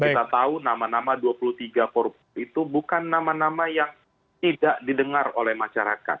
kita tahu nama nama dua puluh tiga koruptor itu bukan nama nama yang tidak didengar oleh masyarakat